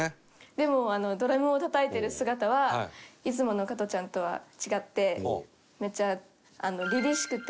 でもドラムをたたいてる姿はいつもの加トちゃんとは違ってめっちゃ。